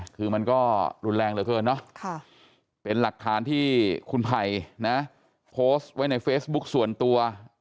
คือมันก็รุนแรงเหลือเกินเนาะเป็นหลักฐานที่คุณไผ่นะโพสต์ไว้ในเฟซบุ๊คส่วนตัว